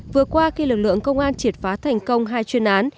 vừa qua khi lực lượng công an triệt phá thành công hai chuyên án